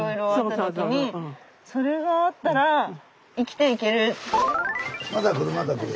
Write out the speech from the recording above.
それがあったら生きていける。